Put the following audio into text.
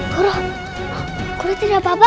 guru guru tidak apa apa